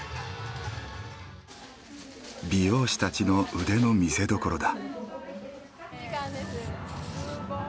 美容師たちの腕の見せどころだ。